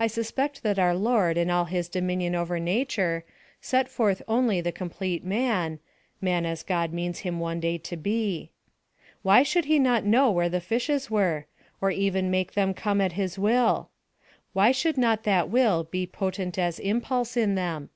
I suspect that our Lord in all his dominion over nature, set forth only the complete man man as God means him one day to be. Why should he not know where the fishes were? or even make them come at his will? Why should not that will be potent as impulse in them?